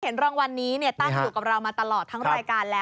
รางวัลนี้ตั้งอยู่กับเรามาตลอดทั้งรายการแล้ว